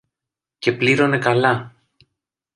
Και πλήρωνε καλά.